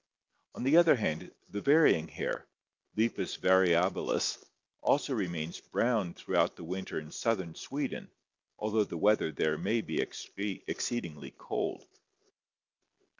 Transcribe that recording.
On the other hand, the varying hare, Lepus variabilis, also remains brown throughout the winter in southern Sweden, although the weather there may be exceedingly cold.